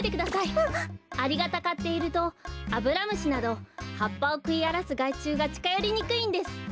アリがたかっているとアブラムシなどはっぱをくいあらすがいちゅうがちかよりにくいんです。